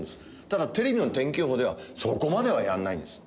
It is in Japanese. ただテレビの天気予報ではそこまではやらないんです。